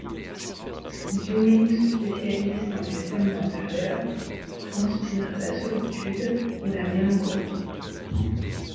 Dewing se spécialise dans les scènes d'intérieur qui transpire la solitude ou la mélancolie.